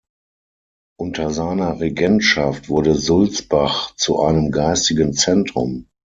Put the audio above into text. Unter seiner Regentschaft wurde Sulzbach zu einem geistigen Zentrum.